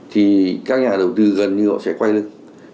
thì các nhà đầu tư gần như họ sẽ quay lưng